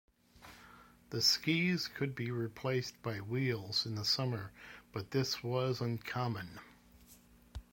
The skis could be replaced by wheels in the summer, but this was uncommon.